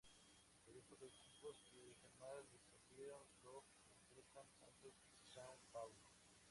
El grupo de equipos que jamás descendieron lo completan Santos y São Paulo.